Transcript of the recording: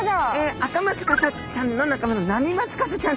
アカマツカサちゃんの仲間のナミマツカサちゃん。